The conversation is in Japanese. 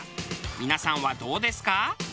皆さんはどうですか？